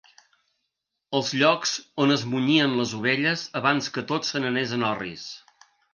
Els llocs on es munyien les ovelles abans que tot se n'anés en orris.